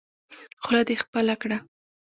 خوله دې خپله کړه.